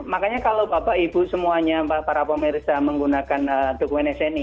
makanya kalau bapak ibu semuanya para pemirsa menggunakan dokumen sni